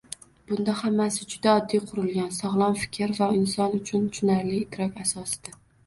Bunda hammasi juda oddiy qurilgan — sog‘lom fikr va inson uchun tushunarli idrok asosida.